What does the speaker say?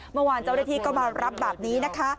เมื่อวานเจ้าหน้าที่ก็มารับแบบนี้นะคะ